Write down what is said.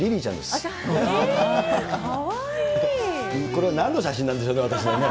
これはなんの写真なんでしょうかね、私のね。